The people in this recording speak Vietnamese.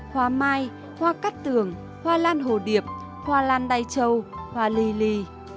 hoa mai hoa cắt tường hoa lan hồ điệp hoa lan đai trâu hoa li li